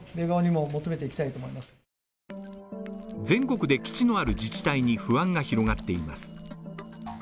全国で基地のある自治体に不安が広がっています。